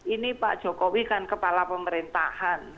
ini pak jokowi kan kepala pemerintahan